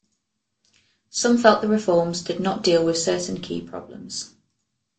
Some felt the reforms did not deal with certain key problems.